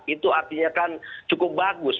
itu artinya kan cukup bagus